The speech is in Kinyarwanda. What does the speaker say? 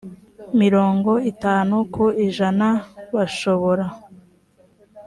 mirongo itanu ku ijana bashobora